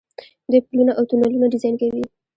دوی پلونه او تونلونه ډیزاین کوي.